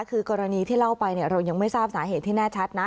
คือกรณีที่เล่าไปเรายังไม่ทราบสาเหตุที่แน่ชัดนะ